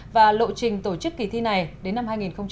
và lộ trình tổ chức kỳ thi này đến năm hai nghìn hai mươi